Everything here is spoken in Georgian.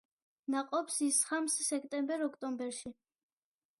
ნაყოფს ისხამს სექტემბერ-ოქტომბერში.